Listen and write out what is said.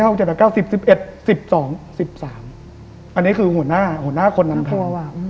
อันนี้คือหัวหน้าคนนำทาง